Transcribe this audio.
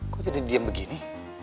kok jadi diam begini